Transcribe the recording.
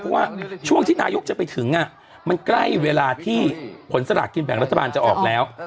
เพราะว่าช่วงที่นายกจะไปถึงมันใกล้เวลาที่ผลสลากกินแบ่งรัฐบาลจะออกแล้ว